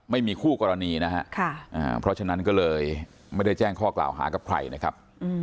ไม่มีคู่กรณีนะฮะเพราะฉะนั้นก็เลยไม่ได้แจ้งข้อกล่าวหากับใครนะครับ